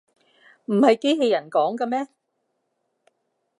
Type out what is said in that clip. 唔係機器人講嘅咩